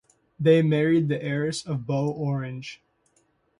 They married the heiress of Baux-Orange.